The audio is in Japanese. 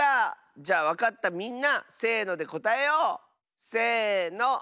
じゃわかったみんなせのでこたえよう！せの。